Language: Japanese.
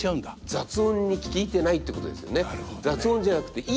雑音に聞いてないってことですよね。